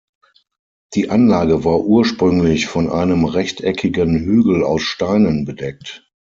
Die Anlage war ursprünglich von einem rechteckigen Hügel aus Steinen bedeckt.